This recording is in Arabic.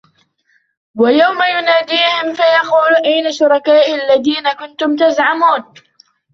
ويوم يناديهم فيقول أين شركائي الذين كنتم تزعمون